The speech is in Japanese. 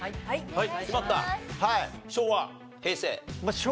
はい。